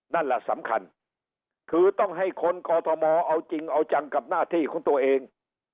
นั่นแหละสำคัญคือต้องให้คนกอทมเอาจริงเอาจังกับหน้าที่ของตัวเอง